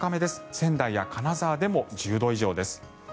仙台や金沢でも１０度以上です。